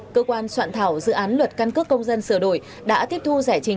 cơ quan soạn thảo dự án luật căn cước công dân sửa đổi đã tiếp thu giải trình